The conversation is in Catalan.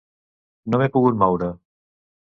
No m’he pogut moure.